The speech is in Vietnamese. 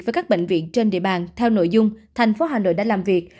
với các bệnh viện trên địa bàn theo nội dung thành phố hà nội đã làm việc